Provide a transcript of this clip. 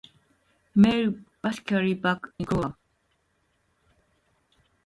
Female basically black in color.